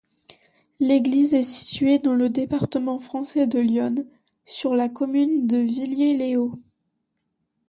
L'église est située dans le département français de l'Yonne, sur la commune de Villiers-les-Hauts.